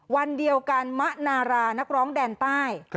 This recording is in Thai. วันเดียวกันมะนารานักร้องแดนใต้